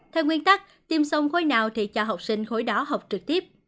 theo nguyên tắc tiêm song khối nào thì cho học sinh khối đó học trực tiếp